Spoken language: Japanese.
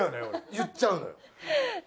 言っちゃうの。へ。